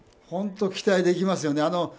本当期待できますよね。